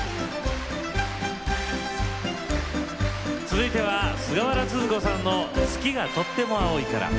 続いては菅原都々子さんの「月がとっても青いから」。